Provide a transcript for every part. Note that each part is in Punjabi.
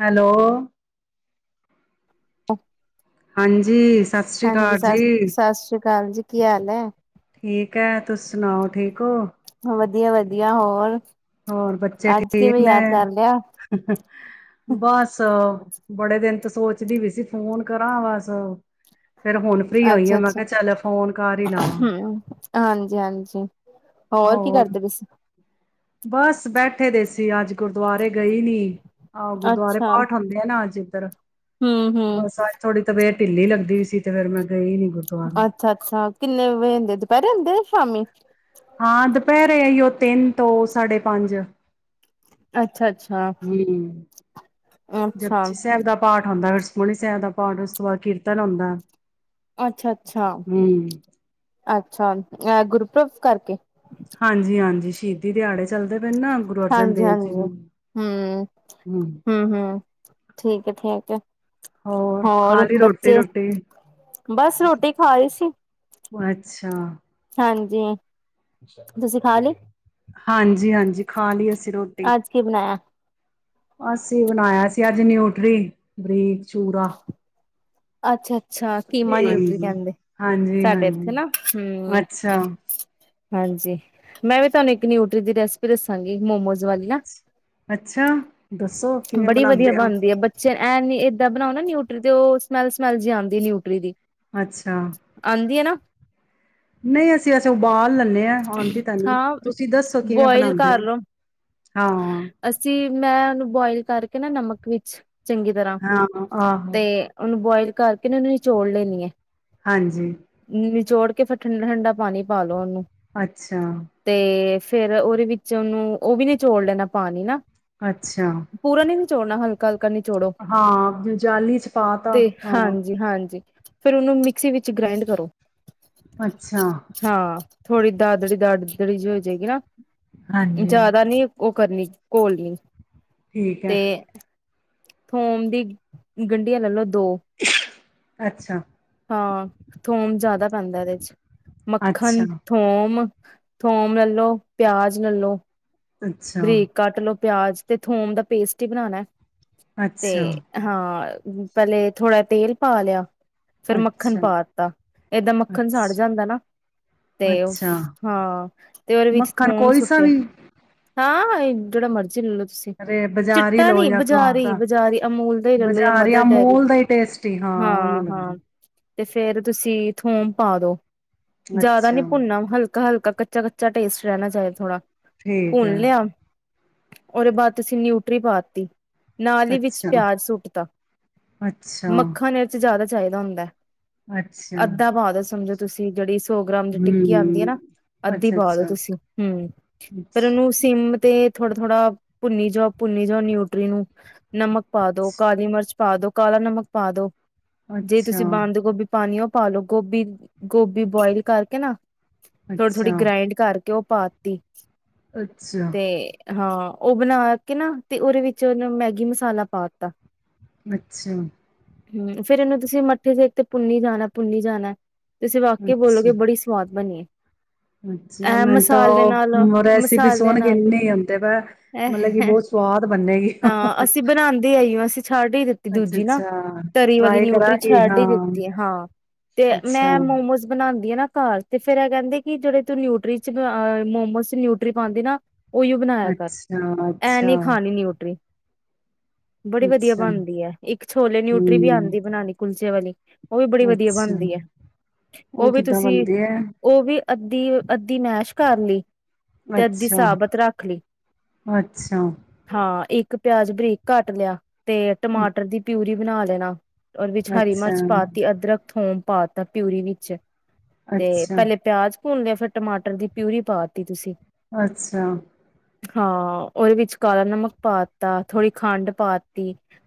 ਹੈਲੋ ਆ ਹਾਂਜੀ ਸਤਿ ਸ੍ਰੀ ਅਕਾਲ ਸਤਿ ਜੀ। ਸਤਿ ਸ੍ਰੀ ਅਕਾਲ ਜੀ ਕੀ ਹਾਲ ਹੈ। ਠੀਕ ਹੈ ਤੁਸੀ ਸੁਣਾਓ ਠੀਕ ਹੋ। ਵਧੀਆ-ਵਧੀਆ ਹੋਰ ਹੋਰ ਬੱਚੇ ਅੱਜ ਠੀਕ ਕਿਵੇਂ ਯਾਦ ਕਰ ਲਿਆ? ਨੇ। ਬਸ ਬੜੇ ਦਿਨ ਤੋਂ ਸੋਚਦੀ ਪਈ ਸੀ ਫੋਨ ਕਰਾਂ ਬਸ ਫੇਰ ਹੁਣ ਫ੍ਰਰੀ ਹੋਈ ਆ ਮੈਂ ਅੱਛਾ-ਅੱਛਾ ਕਿਹਾ ਚੱਲ ਫੋਨ ਕਰ ਹੀ ਲਾਂ ਹ ਹਾਂਜੀ-ਹਾਂਜੀ ਹੋਰ ਕੀ ਕਰਦੇ ਪਾਏ ਸੀ ਤੁ ਬਸ ਬੈ ਦੇ ਸੀ ਅੱਜ ਗੁਰਦੁਆਰੇ ਗਈ ਨੀ। ਆਹੋ ਗੁਰਦੁਆਰੇ ਅੱਛਾ ਪਾਠ ਹੁੰਦੇ ਆ ਨਾ ਅੱਜ ਇੱਧਰ ਹਮ ਹਮ ਬੱਸ ਅੱਜ ਥੋੜ੍ਹੀ ਤਬੀਅਤ ਢਿੱਲੀ ਲੱਗਦੀ ਸੀ ਤੇ ਫੇਰ ਮੈਂ ਗਈ ਨੀ। ਗੁਰਦੁਆਰੇ ਅੱਛਾ-ਅੱਛਾ ਕਿੰਨੇ ਵਜੇ ਹੁੰਦੇ ਦੁਪਹਿਰੇ ਹੁੰਦੇ ਸ਼ਾਮੀ? ਹਾਂ ਦੁਪਹਿਰੇ ਆਈਓ ਤਿੰਨ ਤੋਂ ਸਾਢੇ ਪੰਜ। ਅੱਛਾ-ਅੱਛਾ ਹਮ ਅੱਛਾ ਜਪਜੀ ਸਾਹਿਬ ਦਾ ਪਾਠ ਹੁੰਦਾ ਸੁਖਮਨੀ ਸਾਹਿਬ ਦਾ ਪਾਠ ਉਸ ਤੋਂ ਬਾਅਦ ਕੀਰਤਨ ਹੁੰਦਾ। ਅੱਛਾ-ਅੱਛਾ ਹੂੰ। ਅੱਛਾ ਅ ਗੁਰਪੁਰਬ ਕਰਕੇ। ਹਾਂਜੀ-ਹਾਂਜੀ ਸ਼ਹੀਦੀ ਦਿਹਾੜੇ ਚੱਲਦੇ ਪਏ ਨੇ ਨਾ ਗੁਰੂ ਅਰਜਨ ਦੇਵ ਜੀ ਹਾਂਜੀ-ਹਾਂਜੀ ਦੇ। ਹਮ ਹੂੰ, ਹਮ ਹਮ ਠੀਕ ਹੈ, ਠੀਕ ਖਾ ਹੋਰ ਲਈ ਬੱਚੇ ਰੋਟੀ-ਰੂਟੀ? ਬਸ ਰੋਟੀ ਖਾ ਰਹੀ ਸੀ। ਅੱਛਾ ਹਾਂਜੀ ਸ਼ ਤੁਸੀਂ ਖਾ ਲਈ ਚ ਹਾਂਜੀ-ਹਾਂਜੀ ਖਾ ਲਈਏ ਆਜ ਕੀ ਬਣਾਇਆ? ਅਸੀਂ ਬਣਾਇਆ ਸੀ ਅੱਜ ਨਿਊਟਰੀ ਬਰੀਜ। ਚੂਰਾ। ਅੱਛਾ-ਅੱਛਾ ਕੀਮਾ ਨਿਊਟਰੀ ਹਾਂਜੀ, ਕਹਿੰਦੇ, ਸਾਡੇ ਇੱਥੇ ਹਾਂਜੀ-ਹਾਂਜੀ। ਨਾ ਹਮ। ਅੱਛਾ, ਹਾਂਜੀ, ਮੈਂ ਵੀ ਤੁਹਾਨੂੰ ਇੱਕ ਨਿਊਟਰੀ ਦੀ ਰੈਸਪੀ ਦੱਸਾਂਗੀ ਮੋਮੋਜ਼ ਵਾਲੀਆਂ। ਅੱਛਾ! ਦੱਸੋ ਕਿਵੇਂ ਬੜੀ ਵਧੀਆ ਬਣਾਉਂਦੇ ਹੋ? ਬਣਦੀ ਹੈ ਬੱਚੇ ਐਂ ਨੀ ਏਦਾਂ ਬਣਾਉ ਨਾ ਨਿਊਟਰੀ ਤੇ ਉਹ ਸਮੈਲ-ਸਮੈਲ ਜਿ ਆਉਂਦੀ ਹੈ ਨਿਊਟਰੀ ਦੀ। ਅੱਛਾ। ਆਂਦੀ ਹੈ ਨਾ ਨਹੀਂ ਅਸੀਂ ਵੈਸੇ ਉਬਾਲ ਲੈਂਦੇ ਹਾਂ ਆਂ ਦੀ ਤਾਂ ਨਹੀਂ ਹਾਂ ਤੁਸੀਂ ਦੱਸੋ ਕਿਵੇਂ ਬੋਇਲ ਬਣਾਉਂਦੇ ਕਰ ਹੋ? ਲੋ ਹਾਂ, ਅਸੀਂ ਮੈਂ ਉਹਨੂੰ ਬੋਇਲ ਕਰਕੇ ਨਾ ਨਮਕ ਵਿੱਚ ਚੰਗੀ ਤਰ੍ਹਾਂ ਹਾਂ ਆਹੋ ਤੇ ਉਹਨੂੰ ਬੋਇਲ ਕਰਕੇ ਉਹਨਾਂ ਨੂੰ ਚੋੜ ਲੈਣੀ ਏ। ਹਾਂਜੀ। ਫੇਰ ਠੰਡਾ-ਠੰਡਾ ਪਾਣੀ ਪਾ ਲਓ ਉਹਨੂੰ। ਅੱਛਾ। ਤੇ ਫੇਰ ਉਹਦੇ ਵਿੱਚ ਉਹਨੂੰ ਉਹ ਵੀ ਨ ਚੋੜ ਲੈਣਾ ਪਾਣੀ ਨਾ। ਅੱਛਾ। ਚੋੜਨਾ ਹਲਕਾ ਹਲ ਹਾਂ ਜਾਂਲੀ ਚ ਪਾ ਤਾ ਤੇ ਹਾਂ। ਹਾਂਜੀ ਹਾਂਜੀ ਫੇਰ ਉਹਨੂੰ ਮਿਕਸੀ ਵਿੱਚ ਗ੍ਰੈਡ ਕਰੋ। ਅੱਛਾ। ਹਾਂ ਥੋੜ੍ਹੀ ਦਾਦੜੀ-ਦਾਦੜੀ ਜਿ ਹੋ ਜਾਏਗੀ ਨਾ। ਹਾਂਜੀ ਜਿਆਦਾ ਨੀ। ਕਰਨੀ ਘੋਲਣੀ ਕ ਠੀਕ ਹੈ ਤੇ ਥੋਮ ਦੀ ਗੰਢੀਆਂ ਲੈਲੋ। ਦੋ। ਅੱਛਾ। ਹਾਂ, ਥੋਂਮ ਜਾਦਾ ਪੈਂਦਾ ਏਦੇ ਚ। ਅੱਛਾ, ਮੱਖਨ, ਥੋਂਮ ਥੋਂਮ ਲੈਲੋ ਪੇਆਜ ਲੈਲੋ ਅੱਛਾ, ਬਰੀਕ ਕੱਟ ਲੋ। ਪੇਆਜ ਤੇ ਥੋਂਮ ਦਾ ਪੇਸਟ ਹੀ ਬਨਾ ਨੈ। ਤੇ ਅੱਛਾ, ਹਾਂ ਪੈਲੇ ਥੋੜਾ ਤੇਲ ਪਾ ਲੇਆ ਫੇਰ ਮੱਖਨ ਅੱਛਾ, ਪਾ ਤਾ, ਏਦਾਂ ਮੱਖਨ ਸਾੜ ਅੱਛਾ, ਜਾਂਦਾ ਨਾ, ਤੇ ਅੱਛਾ ਫ ਹਾਂ ਤੇਲ ਵਿੱਚ ਮੱਖਣ ਥੋਮ ਕੋਈ ਸਾ ਸੁਟੇ ਵੀ ਹਾਂ, ਹਾਂ ਜੇੜਾ ਮਰਜੀ ਲੈਲੋ ਅਰੇ ਬਜਾਰੀ ਲੋ ਯਾ ਘਾਰ ਦਾ, ਬਜ਼ਾਰੀ ਅਮੂਲ ਦਾ ਹੀ ਲੈਲੋ ਜਾਂ ਬਜਾਰੀ ਮਦਰ ਡੇਅਰੀ ਅਮੂਲ ਦਾ ਈ ਟੇਸਟੀ ਹਾਂ ਓਈਓ ਲੈਲੋ। ਤੇ ਫੇਰ ਤੁਸੀ ਥੋਂਮ ਪਾਦੋ ਜਾਦਾ ਅੱਛਾ ਨੀ ਭੁੰਨਾ ਹਲ ਕਾ, ਹਲਕਾ ਕੱਚਾ, ਕੱਚਾ ਟੇਸਟ ਰੈਨਾ ਚਾਈਦਾ ਥੋੜਾ ਠੀਕ ਐ। ਓਦੇ ਬਾਦ ਤੁਸੀ ਨਿਊਟਰੀ ਪਾਤੀ ਨਾਲ ਈ ਵਿੱਚ ਅੱਛਾ, ਪੇਆਜ਼ ਸੁੱਟਤਾ, ਅੱਛਾ, ਮੱਖਨ ਏਚ ਜ਼ਿਆਦਾ ਚਾਈਦਾ ਹੁੰਦੈ। ਅੱਛਾ ਅੱਧਾ ਪਾਦੋ ਸਮਝੋ ਤੁਸੀਂ ਜੇੜੀ ਸੌ ਗ੍ਰਾਮ ਦੀ ਟਿੱਕੀ ਆਂਦੀ ਏ ਹੂੰ, ਨਾ। ਅੱਧੀ ਪਾਦੋ ਅੱਛਾ-ਅੱਛਾ, ਤੁਸੀਂ। ਹੰ ਪਰ ਅੱਛਾ। ਔਨੂੰ ਸਿੰਮ ਤੇ ਥੋੜਾ-ਥੋੜਾ ਭੁੰਨੀ ਜਾਓ, ਭੁੰਨੀ ਜਾਓ ਨਿਊਟਰੀ ਨੂੰ ਨਮਕ ਪਾ ਦੋ ਕਾਲੀ ਮਿਰਚ ਪਾਦੋ ਕਾਲਾ ਨਮਕ ਪਾਦੋ। ਜੇ ਅੱਛਾ, ਤੁਸੀਂ ਬੰਦ ਗੋਭੀ ਪਾਨੀ ਔ ਪਾ ਲੋ। ਗੋਭੀ, ਗੋਭੀ ਬੋਇਲ ਕਰਕੇ ਨਾ ਥੋੜੀ-ਥੋੜ੍ਹੀ ਅੱਛਾ, ਗ੍ਰੈਈਂਡ ਕਰਕੇ ਔ ਪਾਤੀ। ਅੱਛਾ। ਤੇ ਹਾਂ, ਔ ਬਾਨ ਕੇ ਨਾ ਤੇ ਔਦੇ ਵਿੱਚ ਉਹਨ ਮੈਗੀ ਮਸਾਲਾ ਪਾਤਾ। ਅੱਛਾਂ! ਹੰ, ਫੇਰ ਏਨੂੰ ਤੁਸੀਂ ਮੱਠੇ ਸੇਕ ਤੇ ਪੁੰਨੀ ਜਾਨੈ-ਪੁੰਨੀ ਜਾਨੈ। ਤੁਸੀਂ ਵਾਕੇ ਬੋਲੋਗੇ ਅੱਛਾ। ਬੜੀ ਸਵਾਦ ਬਨੀ ਏ। ਅੱਛਾ ਐ ਮੈਂ ਤਾਂ ਮਸਾਲੇ ਨਾਲ, ਉਹ ਮਰੇ ਵੀ ਮਸਾਲਿਆਂ ਸੁਣ ਨਾਲ ਕੇੰਨੇ ਆਉਂਦੇ ਵਾ ਮਤਲਬ ਕਿ ਐ ਬਹੁਤ ਸਵਾਦ ਬੰਨੇਗੀ। ਹਾ ਹਾ ਹਾਂ ਹਾ। ਅਸੀਂ [inaudible] ਛੱਡ ਹੀ ਦਿੱਤੀ ਦੂਜੀ ਨਾ ਤਰੀ ਵਾਲੀ ਟਰਾਈ ਨਿਊਟਰੀ ਕਰਾਂਗੀ ਛੱਡ ਹੀ ਹਾਂ, ਦਿੱਤੀ ਹਾਂ ਤੇ ਮੈਂ ਅੱਛਾ। ਮੋਮੋਸ ਬਣਾ ਨਾ ਘਰ ਤੇ ਫੇਰ ਇਹ ਕਹਿੰਦੇ ਕਿ ਜਿਹੜੇ ਤੂੰ ਨਿਊਟਰੀ ਚਹ ਮੋਮੋਸ ਨਿਊਰੀ ਟਟਰੀ ਪਾਉਂਦੀ ਨਾ ਉਹੀਓ ਬਣਾਇਆ ਕਰ ਅੱਛਾ, ਐਂ ਨੀ ਅੱਛਾ, ਖਾਣੀ ਨਿਊਟਰੀ ਬੜੀ ਵਧੀਆ ਅੱਛਾ, ਬਣਦੀ ਹੈ ਇੱਕ ਛੋਲੇ ਨਿਊਟਰੀ ਵੀ ਹੂੰ, ਆਉਂਦੀ ਬਣਾਉਣੀ ਕੁਲਚੇ ਵਾਲੀ ਹ ਉਹ ਵੀ ਬੜੀ ਵਧੀਆ ਅੱਛਾ। ਬਣਦੀ ਹੈ ਉਹ ਵੀ ਕਿੱਦਾਂ ਤੁਸੀਂ ਬਣਦੇ ਐ? ਉਹ ਵੀ ਅੀ ਅੱਧੀ ਮੈਸ਼ ਕਰ ਲਈ ਤੇ ਅੱਧੀ ਅੱਛਾ, ਸਾਬਤ ਰੱਖ ਲਈ ਅੱਛਾ, ਹਾਂ ਇੱਕ ਪਿਆਜ ਬਰੀਕ ਘੱਟ ਲਿਆ ਤੇ ਟਮਾਟਰ ਦੀ ਪਿਊਰੀ ਬਣਾ ਲੈਣਾ ਉਹਦੇ ਵਿੱਚ ਹਰੀ ਅੱਛਾ। ਮਿਰਚ ਪਾਤੀ ਅਦਰਕ ਥੋਮ ਪਾ ਤ ਪਿਊਰੀ ਵਿੱਚ ਤੇ ਅੱਛਾ। ਪਹਿਲੇ ਪਿਆਜ ਹੁਣ ਲਿਆ ਫਿਰ ਟਮਾਟਰ ਦੀ ਪਿਊਰੀ ਪਾਤੀ ਤੁਸੀਂ ਅੱਛਾ ਹਾਂ ਉਹਦੇ ਵਿੱਚ ਕਾਲਾ ਨਮਕ ਪਾ ਤਾ ਥੋੜ੍ਹੀ ਖੰਡ ਪਾ ਤ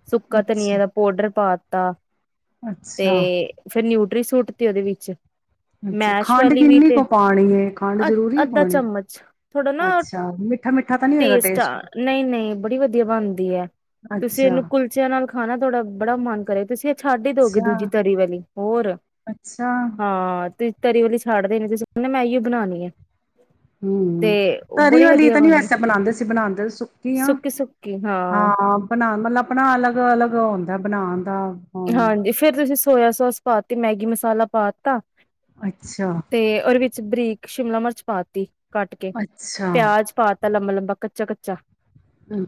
ਸੁੱਕਾ ਅੱਛਾ, ਧਨੀਆ ਦਾ ਪਾਊਡਰ ਪਾ ਤ ਤੇ ਅੱਛਾ, ਫਿਰ ਨਿਊ ਸੂਟ ਤੇ ਉਹਦੇ ਵਿੱਚ ਅੱਛਾ ਮੈਸ਼ ਖੰਡ ਵਾਲੀ ਵੀ ਕਿੰਨੀ ਤੇ ਕੁ ਪਾਣੀ ਹੈ ਖੰਡ ਜ਼ਰੂਰੀ ਹੈ ਅੱਧਾ ਪਾਣੀ ਚਮਚ ਥੋੜਾ ਨਾ ਅੱਛਾ, ਮਿੱਠਾ-ਮਿੱਠਾ ਤਾਂ ਨਹੀਂ ਹੋਏਗਾ ਟੇਸਟ ਆ ਨਹੀਂ ਨਹੀਂ ਬੜੀ ਵਧੀਆ ਬਣਦੀ ਹੈ ਤੁਸੀਂ ਅੱਛਾ, ਇਹਨੂੰ ਕੁਲਚਿਆਂ ਨਾਲ ਖਾਣਾ ਥੋੜਾ ਬੜਾ ਮਨ ਕਰੇ ਤੁਸੀਂ ਇਹ ਛੱਡ ਹੀ ਦੋਗੇ ਦੂਜੀ ਅੱਛਾ, ਤਰੀ ਵਾਲੀ ਹੋਰ ਅੱਛਾ, ਹਾਂ ਤਰੀ ਵਾਲੀ ਛੱਡ ਦੇਣੀ ਤੁਸੀਂ ਕਹਿੰ ਮੈਂ ਇਓ ਬਣਾਉਣੀ ਆ ਹਮ ਤਰੀ ਵਾਲੀ ਤਾਂ ਨੀ ਵੈਸੇ ਬਣਾਉਂਦੇ ਸੀ ਬਣਾਉਂਦੇ ਸੁੱਕੀ ਆ ਹਾਂ ਬਣਾਉਣ ਮਤਲਬ ਆਪਣਾ ਅਲੱਗ ਅਲੱਗ ਆਉਂਦਾ ਬਣਾਉਣ ਹਾਂਜੀ ਫੇਰ ਤੁਸੀਂ ਸੋਇਆ ਸੋਸ ਪਾ ਤੇ ਮੈਗੀ ਮਸਾਲਾ ਪਾ ਤਾ ਅੱਛਾ, ਤੇ ਉਹਦੇ ਵਿੱਚ ਬਰੀਕ ਸ਼ਿਮਲਾ ਮਿਰਚ ਪਾ ਤਤੀ ਕੱਟ ਕੇ ਅੱਛਾ, ਪਿਆਜ ਪਾਤ ਤਾ ਲੰਬਾ ਲੰਬਾ ਕੱਚਾ ਕੱਚਾ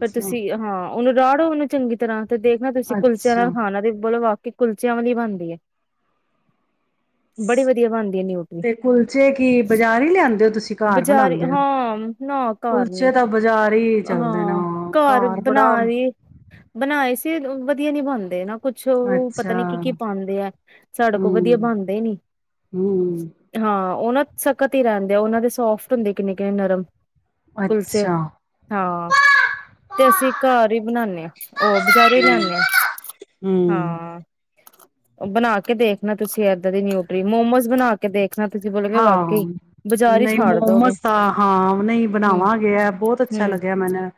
ਪਰ ਤੁਸੀਂ ਹਾਂ ਉਹਨੂੰ ਰਹੜੋ ਓਨੂੰ ਚੰਗੀ ਤਰ੍ਹਾਂ ਤੇ ਦੇਖਣਾ ਤੁਸੀਂ ਕੁਲਚਿਆਂ ਨਾਲ ਅੱਛਾ। ਖਾਣਾ ਵਾਲੀ ਮਤਲਬ ਵਾਕਈ ਕੁਲਚਿਆਂ ਵਾਲੀ ਬਣਦੀ ਹੈ। ਬੜੀ ਵਧੀਆ ਬਣਦੀ ਆ ਨਿਊਟਰੀ ਤੇ ਕੁਲਚੇ ਕੀ ਬਾਜ਼ਾਰ ਹੀ ਲਿਆਂਦੇ ਹੋ ਤੁਸੀਂ ਘਰ ਬਜ਼ਾਰੀ ਬਣਾਂਦੇ ਹੋ? ਹਾਂ ਨਾ ਘਰ ਕੁਲਚੇ ਨੀ ਤਾਂ ਬਜ਼ਾਰੀ ਚੱਲਦੇ ਨੇ ਹਾਂ ਘਰ ਬਣਾ ਦੀ ਬਣਾਏ। ਵਧੀਆ ਨੀ ਬਣਦੇ ਨਾ। ਕੁਛ ਪਤਾ ਅੱਛਾ ਨੀ ਕੀ ਕੀ ਪਾਦੇ ਆ ਸਾਡੇ ਕੋਲ ਵਧੀਆ ਹੂੰ ਬਣਦੇ ਨੀ। ਹੂੰ ਹਾਂ ਉਹਨਾਂ ਸਖਤ ਹੀ ਰਹਿੰਦੇ ਆ ਉਹਨਾਂ ਦੇ ਸੋਫਟ ਹੁੰਦੇ ਕਿੰਨੇ ਕਿੰਨੇ ਨਰਮ ਕੁਲਚੇ ਅੱਛਾ ਹਾਂ ਤੇ ਅਸੀਂ ਘਰ ਹੀ ਬਣਾਨੇ ਹਾਂ ਉਹ ਬਜ਼ਾਰੋਂ ਹੀ ਹੂੰ ਲਿਆਂਦੇ ਹਾਂ। ਹੂੰ ਹਾਂ ਉਹ ਬਣਾ ਕੇ ਦੇਖਣਾ ਤੁਸੀਂ ਏਦਾਂ ਦੀ ਨਿਊਟਰੀ ਮੋਮੋਜ਼ ਬਣਾ ਕੇ ਦੇਖ ਹਾਂ ਨਹੀਂ ਛਾੜ ਦੋਗੇ ਮੋਮੋਸ ਤਾਂ ਹਾਂ ਨਹੀਂ ਹਮ ਬਣਾਵਾਂਗੇ ਬਹੁਤ ਅੱਛਾ ਹਮ ਲੱਗਿਆ ਮੈਨੂੰ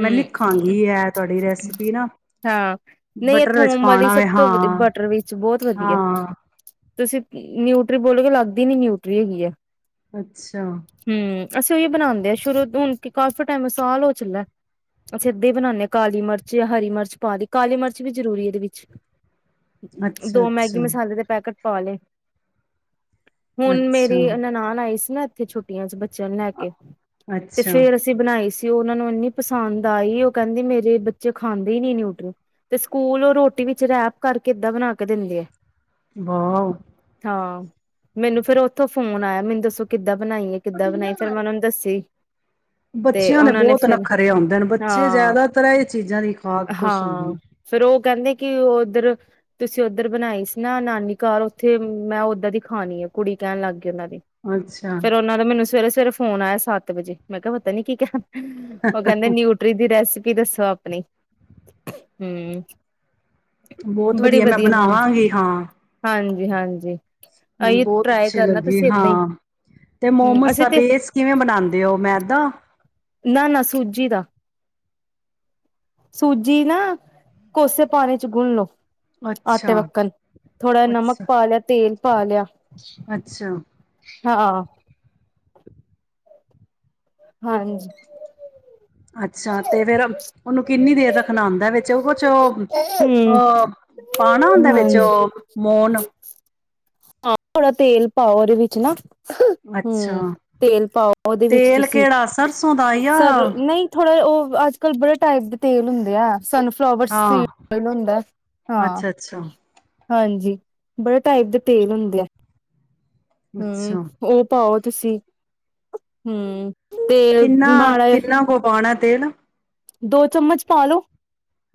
ਮੈਂ ਲਿਖਾਂਗੀ ਹੈ ਤੁਹਾਡੀ ਰੈਸਿਪੀ ਨਾ। ਹਾਂ ਨਹੀਂ ਇਹ ਬਟਰ ਵਿੱਚ ਥੋਮ ਵਾਲੀ ਪਾਉਣਾ ਸਭ ਵੇ ਤੋਂ ਵਧ ਹਾਂ ਬਟਰ ਵਿਚ ਬਹੁਤ ਵਧੀਆ ਹਾਂ ਤੁਸੀਂ ਨਿਊਟਰੀ ਬੋਲ ਕੇ ਲੱਗਦੀ ਨੀ ਨਿਊਟਰੀ ਹੈਗੀ ਹੈ। ਅੱਛਾ ਹੂੰ ਅਸੀਂ ਉਹੀ ਬਣਾਦੇ ਹਾਂ ਸ਼ੁਰੂ ਤੋਂ ਕਿ ਕਾਫੀ ਟਾਈਮ ਸਾਲ ਹੋ ਚੱਲਾ ਆ ਅਸੀਂ ਅੱਧੇ ਹੀ ਬਨਾਦੇ ਹ ਕਾਲੀ ਮਿਰਚ ਹਰੀ ਮਿਰਚ ਪਾ ਦੀ ਕਾਲੀ ਮਿਰਚ ਵੀ ਜ਼ਰੂਰੀ ਇਹਦੇ ਵਿੱਚ ਅੱਛਾ ਦੋ ਮੈਗੀ ਅੱਛਾ ਮਸਾਲੇ ਦੇ ਪੈਕੇਟ ਪਾ ਲੇ। ਹੁਣ ਮੇਰੀ ਅੱਛਾ ਨਨਾਣ ਆਈ ਸੀ ਨਾ ਇਥੇ ਛੁਟੀਆ ਚ ਬੱਚਿਆਂ ਨੂੰ ਲੈ ਕੇ। ਤੇ ਅੱਛਾ ਫੇਰ ਅਸੀਂ ਬਣਾਈ ਸੀ। ਉਹਨਾਂ ਨੂੰ ਇੰਨੀ ਪਸੰਦ ਆਈ ਉਹ ਕਹਿੰਦੀ ਮੇਰੇ ਬੱਚੇ ਖਾਂਦੇ ਹੀ ਨੀ ਨਿਊਟਰੀ। ਤੇ ਸਕੂਲ ਉਹ ਰੋਟੀ ਵਿਚ ਰੈਪ ਕਰਕੇ ਏਦਾਂ ਬਣਾ ਕੇ ਦਿੰਦੇ ਆ। ਵਾਹ ਹਾਂ ਮੈਨੂੰ ਫੇਰ ਉੱਥੋਂ ਫੋਨ ਆਇਆ ਮੈਨੂੰ ਦੱਸੋ ਕਿੱਦਾਂ ਬਣਾਈ ਹੈ ਕਿੱਦਾਂ ਬਣਾਈ ਫੇਰ ਮੈਂ ਉਹਨਾਂ ਨੂੰ ਦੱਸੀ ਤੇ ਬੱਚਿਆਂ ਦੇ ਉਹਨਾਂ ਨੇ ਬਹੁਤ ਫਿਰ ਨਖਰੇ ਆਦੇ ਨੇ ਬੱਚੇ ਹਾਂ ਜਿਆਦਾਤਰ ਇਹ ਚੀਜ਼ਾਂ ਦੀ ਖਾ ਕੇ ਖੁਸ਼ ਹੁੰਦੇ ਨੇ। ਹਾਂ ਫੇਰ ਉਹ ਕਹਿੰਦੇ ਕਿ ਉੱਧਰ ਤੁਸੀਂ ਉੱਧਰ ਬਣਾਈ ਸੀ ਨਾ ਨਾਨੀ ਘਰ ਉੱਥੇ ਮੈਂ ਉੱਧਰ ਦੀ ਖਾਣੀ ਆ ਕੁੜੀ ਕਹਿਣ ਲੱਗ ਗਈ। ਉਹਨਾ ਦੀ। ਅੱਛਾ ਫੇਰ ਉਹਨਾਂ ਦਾ ਮੈਨੂੰ ਸਵੇਰੇ ਫੋਨ ਆਇਆ ਸੱਤ ਵਜੇ ਮੈਂ ਕਿਹਾ ਪਤਾ ਨੀ ਕੀ ਕਹਿਣਾ ਉਹ ਕਹਿੰਦੇ ਨਿਊਟਰੀ ਦੀ ਰੈਸੀਪੀ ਦੱਸੋ ਆਪਣੀ ਹੂੰ ਬਹੁਤ ਵਧੀਆ ਮੈਂ ਬਣਾਵਾਂਗੀ ਹਾਂ। ਹਾਂਜੀ ਹਾਂਜੀ। ਮੈਨੂੰ ਆਈ ਬਹੁਤ ਟਰਾਈ ਅੱਛੀ ਕਰਨਾ ਲੱਗੀ ਤੁਸੀਂ ਏਦਾਂ ਹੀ ਹਾਂ ਤੇ ਹਮ ਮੋਮੋਸ ਅਸੀਂ ਦਾ ਤੇ ਪੇਸਟ ਕਿਵੇਂ ਬਣਾਂਦੇ ਹੋ ਮੈਂ ਜਾਂਦਾ। ਨਾ ਨਾ ਸੂਜੀ ਦਾ। ਸੂਜੀ ਨਾ ਕੋਸੇ ਪਾਣੀ ਚ ਗੁੰਨ ਲਓ। ਆਟੇ ਅੱਛਾ ਵੱਕਣ ਥੋੜ੍ਹਾ ਨਮਕ ਅੱਛਾ ਪਾ ਲਿਆ ਤੇਲ ਪਾ ਲਿਆ ਅੱਛਾ, ਹਾਂ, ਹਾਂਜੀ। ਅੱਛਾ ਤੇ ਫੇਰ ਉਹਨੂੰ ਕਿੰਨੀ ਦੇਰ ਰੱਖਣਾ ਹੁੰਦਾ ਵਿੱਚ ਉਹ ਚ ਹੂੰ ਅਹ ਪਾਉਣਾ ਹੁੰਦਾ ਵਿੱਚ ਹਾਂਜੀ ਉਹ ਮੋਣ ਹਾਂ ਥੋੜਾ ਤੇਲ ਪਾਓ ਉਹਦੇ ਵਿੱਚ ਨਾ ਅੱਛਾ ਹੂੰ, ਤੇਲ ਪਾਓ ਉਹਦੇ ਵਿੱਚ ਤੇਲ ਤੁਸੀਂ ਕਿਹੜਾ ਸਰਸੋਂ ਦਾ ਜਾਂ ਸਰ ਨਹੀਂ ਥੋੜ੍ਹਾ ਉਹ ਅੱਜ ਕਲ੍ਹ ਬੜੇ ਟਾਈਪ ਦੇ ਤੇਲ ਹੁੰਦੇ ਆ। ਸਨਫਲਾਵਰ ਹਾਂ ਸੀਡ ਹੁੰਦਾ ਹਾਂ। ਅੱਛਾ ਅੱਛਾ ਹਾਂਜੀ, ਬੜੇ ਟਾਈਪ ਦੇ ਤੇਲ ਹੁੰਦੇ ਆ। ਹੂੰ ਅੱਛਾ ਉਹ ਤਾਂ ਉਹ। ਤੁਸੀਂ ਹੂੰ। ਕਿੰਨਾ ਕਿੰਨਾ ਕੁ ਪਾਉਣਾ। ਤੇਲ ਦੋ ਚਮਚ ਪਾ ਲੋ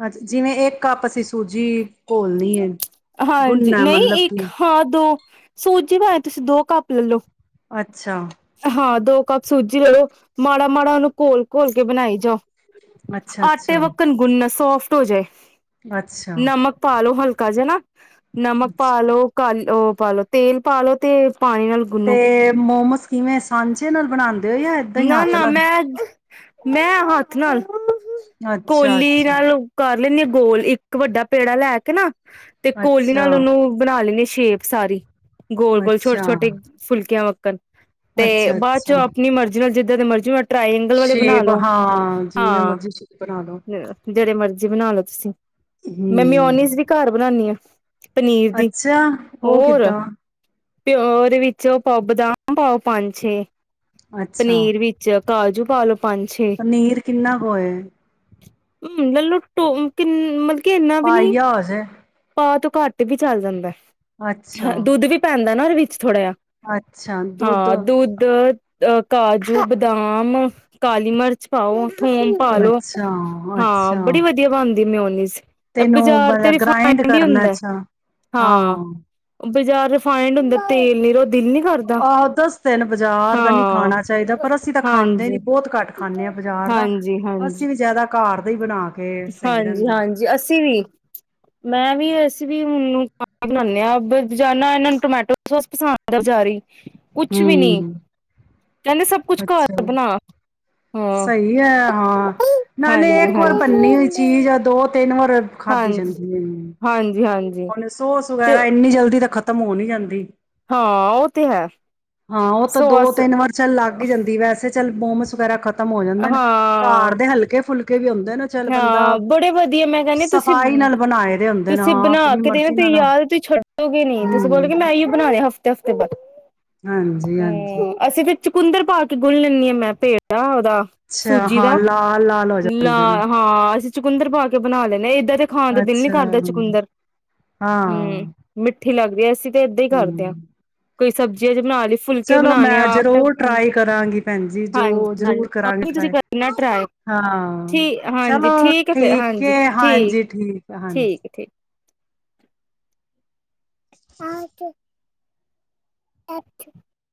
ਹਾਂਜੀ, ਜਿਵੇਂ ਇੱਕ ਕੱਪ ਅਸੀਂ ਸੂਜੀ ਘੋਲਣੀ ਐ। ਹਾਂਜੀ, ਨਹੀਂ ਇੱਕ ਹਾਂ ਦੋ ਸੂਜੀ ਪਾਏ ਤੁਸੀਂ ਦੋ ਕੱਪ ਲੈਲੋ। ਅੱਛਾ। ਹਾਂ ਦੋ ਕੱਪ ਸੂਜੀ ਲੈ ਲੋ ਮਾੜਾ ਮਾੜਾ ਉਹਨੂੰ ਘੋਲ ਘੋਲ ਕੇ ਬਣਾਈ ਜਾਓ। ਅੱਛਾ ਆਟੇ ਅੱਛਾ ਵੱਕਣ ਗੁੰਨ ਸੌ ਸੋਫਟ ਹੋਜੇ। ਅੱਛਾ ਨਮਕ ਪਾ ਲੋ ਹਲਕਾ ਘਰ ਜਾਣਾ। ਨਮਕ ਅੱਛਾ ਪਾਲੋ ਕਾਲ ਉਹ ਪਾਾਲੋ ਤੇਲ ਪਾ ਲ ਲੋ ਤੇ ਪਾਣੀ ਨਾਲ ਤੇ ਗੁੰਨੋ ਮੋਮਸ ਕਿਵੇਂ ਸਾਂਝੇ ਨਾਲ ਬਣਾਉਂਦੇ ਹੋ ਜਾਂ ਏਦਾਂ ਹੀ ਨਾ ਆਤ ਨਾ ਨਾਲ? ਮੈਂ ਮੈਂ ਹੱਥ ਨਾਲ ਕ ਅੱਛਾ ਅੱਛਾ [unintelligible] ਕਰ ਲੈਂਦੇ ਹ ਗੋਲ ਇੱਕ ਵੱਡਾ ਪੇੜਾ ਲੈ ਕੇ ਨਾ- ਤੇ ਕੋਲੀ ਅੱਛਾ ਨਾਲ ਉਹਨੂੰ ਬਣਾ ਲੈਣੀ ਸ਼ੇਪ ਸਾਰੀ- ਗੋਲ -ਗੋਲ, ਅੱਛਾ ਛੋਟੇ-ਛੋਟੇ ਫੁਲਕਿਆਂ ਵਾਕ- [inaudible] ਤੇ ਅੱਛਾ ਬਾਅਦ ਚ ਅੱਛਾ ਆਪਣੀ ਮਰਜ਼ੀ ਨਾਲ ਜਿੱਦਾਂ ਦੇ ਮਰਜ਼ੀ- ਟਰਾਈਗਲ ਵਾਲੇ ਬਣਾ ਸ਼ੇਪ ਲੋ ਹਾਂ ਜਿਵੇਂ ਹਾਂ ਮਰਜ਼ੀ ਸ਼ੇਪ ਬਣਾ ਲਓ ਜਿਹੜੇ ਮਰਜ਼ੀ ਜੇ ਬਣਾ ਲੋ ਤੁਸੀਂ- ਮੈਂ ਮੀਓਨੀਜ਼ ਹਮ ਵੀ ਘਰ ਬਣਾਣੀ ਹਾਂ- ਅੱਛਾ! ਉਹ ਹੋਰ ਕਿੱਦਾਂ? ਪਿਓ ਉਹਦੇ ਵਿੱਚ ਪਾਓ ਬਦਾਮ ਪਾਓ ਪੰਜ ਛੇ- ਅੱਛਾ ਪਨੀਰ ਵਿੱਚ- ਕਾਜੂ ਪਾਲੋ- ਪਨੀਰ ਕਿੰਨਾ ਕੁਏ? [unintelligible] ਨੀ ਪਾਈਆ ਹੋਜੇ। ਤੋਂ ਘਟ ਤੇ ਵੀ ਚੱਲ ਜਾਂਦਾ- ਅੱਛਾ, ਹਾਂ ਦੁੱਧ ਵੀ ਪੈਂਦਾ- ਉਹਨਾਂ ਦੇ ਵਿੱਚ- ਥੋੜਾ ਜ ਅੱਛਾ ਦੁੱਧ ਹਾਂ ਦੁਧ- ਅ ਕਾਜੂ ਬਦਾਮ ਕਾਲੀ ਮਿਰਚ ਪਾਓ। ਥੋਮ ਪਾ ਲੋ ਅੱਛਾ, ਹਾਂ ਅੱਛਾ ਬੜੀ ਵਧੀਆ ਬਣਦੀ ਮਓਨੀਸ ਬਾਜ਼ਾਰ ਤੇਰੀ ਰਫ ਫਾਇਡ ਕਰਨਾ ਅੱਛਾ ਹਾਂ। ਬਜ਼ਾਰ ਰਿਫਾਇੰਡ ਹੁੰਦਾ ਤੇਲ ਨੀ ਰ ਆਹੋ ਦੱਸ ਦਿਨ ਬਾਜ਼ਾਰ ਦਾ ਨਹੀਂ ਹਾਂ ਖਾਣਾ ਚਾਹੀਦਾ ਪਰ ਅਸੀਂ ਤਾਂ ਖਾਂਦੇ ਨੀ ਹਾਂਜੀ ਬਹੁਤ ਘੱਟ ਖਾਂਦੇ ਹਾਂ ਬਾਜ਼ਾਰ ਦਾ ਹਾਂਜੀ ਅਸੀਂ ਵੀ ਜ਼ਿਆਦਾ- ਘਰ ਦਾ ਹੀ ਬਣਾ ਕੇ ਸਹੀ ਰਹਿੰਦਾ। ਹਾਂਜੀ-ਹਾਂਜੀ ਅਸੀਂ ਵੀ ਮੈਂ ਵੀ ਐਸ ਵੀ ਖ ਬਣਾਦੇ ਹਾਂ ਜਾਦਾ ਇਹਨਾਂ ਨੂੰ ਟੋਮੈਟੋ ਸੋਸ ਪਸੰਦ ਆ ਬਜ਼ਾਰੀ। ਕੁਛ ਵੀ ਨੀ ਹੂੰ, ਕਹਿੰਦੇ ਸਭ ਕੁਛ ਘਰ ਅੱਛਾ ਬਣਾ। ਹਾਂ ਸਹੀ ਹੈ ਹਾਂ ਨਾਲੇ ਹਾਂਜੀ ਇੱਕ ਵਾਰ ਬੰਨੀ ਹੋ ਹਾਂਜੀ ਚੀਜ਼ ਆ ਦੋ ਤਿੰਨ ਵਾਰ ਖਾਧਦੀ ਹਾਂਜੀ ਜਾਂਦੀ ਹੈ ਹਾਂਜੀ ਹਾਂਜੀ ਨ ਸੋਸ ਤੇ ਵਗੈਰਾ ਇੰਨੀ ਜਲਦੀ ਤ ਖ਼ਤਮ ਹੋ ਨੀ ਜਾਂਦੀ ਹਾਂ ਉਹ ਤੇ ਹੈ ਹਾਂ ਉਹ ਤਾਂ ਦੋ ਸੋਸ ਤਿੰਨ ਵਾਰ ਚੱਲ ਲੱਗ ਜਾਂਦੀ ਵੈਸੇ ਚਲ ਬੋਮਸ ਵਗੈਰਾ ਖਤ ਖਤਮ ਹੋ ਜਾਂਦੇ ਨੇ ਹਾਂ ਕਾਰ ਦੇ ਹਲਕੇ ਫੁਲਕੇ ਵੀ ਆ ਹਾਂ ਬੜੇ ਵਧੀਆ ਮੈਂ ਕਹਿੰਦੀ ਤੁਸੀਂ ਸਫ਼ਾਈ ਨਾਲ ਬਣਾਏ ਦੇ ਹੁੰਦੇ ਨੇ ਤੁਸੀਂ ਹਾਂ ਬਣਾ ਆਪਣੀ ਮਰਜ਼ੀ ਦੇ ਨਾਲ ਯਾਦ ਤੁਸੀਂ ਛੱਡੋਗੇ ਨੀ ਤੁਸੀਂ ਹੂੰ ਬੋਲੋਗੇ ਮੈਂ ਇਓ ਬਣਾ ਦ ਹਫ਼ਤੇ ਹਫ਼ਤੇ ਬਾਅਦ ਹਾਂਜੀ ਹਾਂਜੀ ਹਮ ਅਸੀਂ ਫ ਚਕੁੰਦਰ ਪਾ ਕੇ ਗੁਣ ਲੈਂਦੀ ਹਾਂ ਮੈਂ ਭੇੜ ਆ ਅੱਛਾ ਹਾਂ ਲਾਲ ਲਾਲ ਹੋ ਜਾ ਲਾ ਜਾਂਦੇ ਨਾ ਹਾਂ ਅਸੀਂ ਚੁਕੁੰਦਰ ਪਾ ਕੇ ਬਣਾ ਲੈਂਣੇ ਇੱਧਰ ਤੇ ਖਾਣ ਦਾ ਦਿਲ ਨੀ ਅੱਛਾ ਕਰਦਾ ਚਕੁੰਦਰ ਹਮ ਹਾਂ ਮਿੱਠੀ ਲੱਗਦੀ ਹੈ ਅਸੀਂ ਤਾਂ ਏਦਾਂ ਹੀ ਕਰਦੇ ਹਾਂ ਹੂੰ ਕੋਈ ਸਬਜ਼ੀਆਂ ਬਣਾ ਲਈ ਫੁਲਕੇ ਚਲੋ ਬਣਾਣੇ ਆ ਮੈਂ ਆਟਾ ਜ਼ਰੂਰ ਟਰਾਈ ਕਰਾਂਗੀ ਭੈਣ ਜ ਜੋ ਹਾਂਜੀ ਹਾਂਜੀ ਜ਼ਰੂਰ ਕੋਈ ਕਰਾਂਗੀ ਨੀ ਤੁਸੀਂ ਟਰਾਈ ਕਰਨਾ ਟਰਾਈ ਹਾਂ ਠੀਕ ਹਾਂਜੀ ਚਲੋ ਹੈ ਫਿਰ ਠੀਕ ਹਾਂਜੀ ਹੈ ਹਾਂਜੀ ਠੀਕ ਹੈ ਹਾਂਜੀ ਠੀਕ ਹਾਂਛ [inaudible]